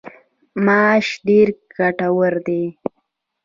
ماش ډیر ګټور دي.